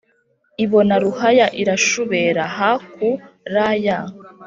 ibona ruhaya irashubera hakulya.